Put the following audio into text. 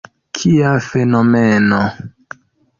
Kia fenomeno!